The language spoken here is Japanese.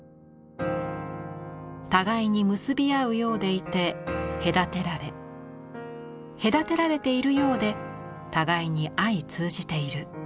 互いに結び合うようでいて隔てられ隔てられているようで互いに相通じている。